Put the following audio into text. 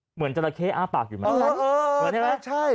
เหมือนเจราะเข้อ้าปากอยู่เหมือนกันเออใช่